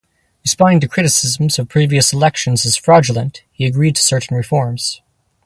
Responding to criticisms of previous elections as fraudulent, he agreed to certain reforms.